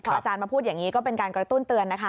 อาจารย์มาพูดอย่างนี้ก็เป็นการกระตุ้นเตือนนะคะ